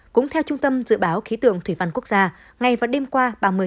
cũng theo trung tâm dự báo khí tượng thủy văn quốc gia ngày và đêm qua ba mươi một mươi một